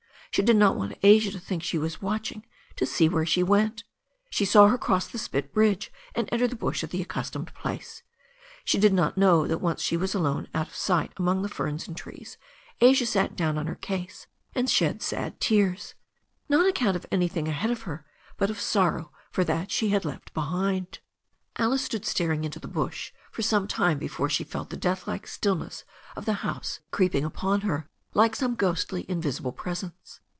She did not want Asia to think she was watching to see where she went. She saw her cross the spit bridge and enter the bush at the accustomed place. She did not know that once she was alone out of sight among the ferns and trees Asia sat down on her case and shed sad tears, not on account of anything ahead of her, but of sorrow for that sh^ Vi^id V^ivX^^veA 364 THE STORY OF A NEW ZEALAND RIVER Alice had stood staring into the bush for some time before she felt the deathlike stillness of the house creeping upon her like some ghostly invisible presence.